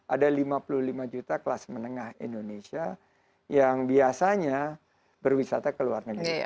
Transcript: ada lima puluh lima juta kelas menengah indonesia yang biasanya berwisata ke luar negeri